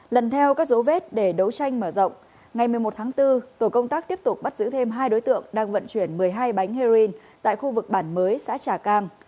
lần theo các dấu vết để đấu tranh mở rộng ngày một mươi một tháng bốn tổ công tác tiếp tục bắt giữ thêm hai đối tượng đang vận chuyển một mươi hai bánh heroin tại khu vực bản mới xã trà cang